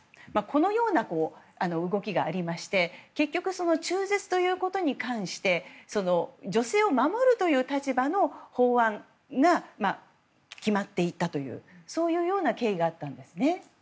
このような動きがありまして結局、中絶ということに関して女性を守るという立場の法案が決まっていったというそういうような経緯があったんですね。